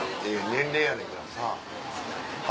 年齢やねんからさ腹